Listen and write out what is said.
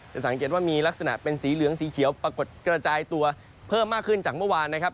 สังเกตว่ามีลักษณะเป็นสีเหลืองสีเขียวปรากฏกระจายตัวเพิ่มมากขึ้นจากเมื่อวานนะครับ